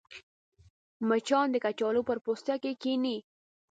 مچان د کچالو پر پوستکي کښېني